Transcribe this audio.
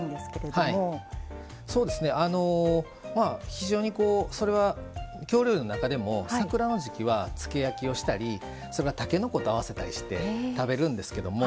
非常にそれは京料理の中でも桜の時季はつけ焼きをしたりたけのこと合わせたりして食べるんですけども。